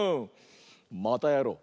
またやろう！